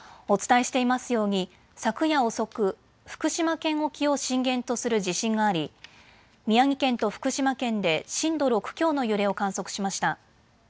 お伝えしていますように昨夜遅く福島県沖を震源とする地震があり宮城県と福島県で震度６強の揺れを観測しました。